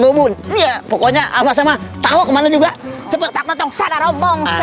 bunya pokoknya sama sama tahu kemana juga cepet tak nonton sadar omong saya